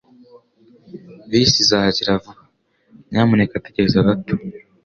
Bisi izahagera vuba. Nyamuneka tegereza gato.